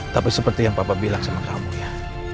tapi seperti yang papa bilang sama kamu ya